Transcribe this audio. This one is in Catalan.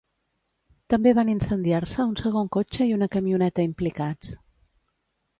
També van incendiar-se un segon cotxe i una camioneta implicats.